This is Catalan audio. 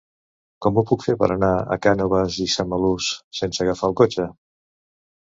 Com ho puc fer per anar a Cànoves i Samalús sense agafar el cotxe?